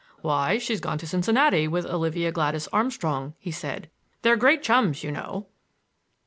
"Why, she's gone to Cincinnati, with Olivia Gladys Armstrong," he said. "They're great chums, you know!"